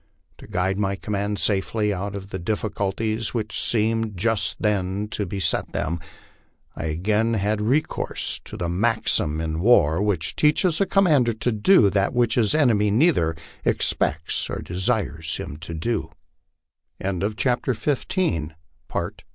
To guide my command safely out of the difficulties which seemed just then to beset them, I again had recourse to that maxim in war which teaches a commander to do that which his enemy neither expects nor desires him to do. XVI.